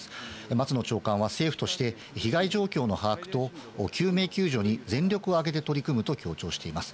松野長官は、政府として被害状況の把握と、救命救助に全力を挙げて取り組むと強調しています。